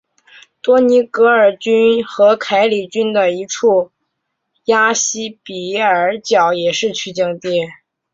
多尼戈尔郡和凯里郡的一处山岬西比尔角也是取景地。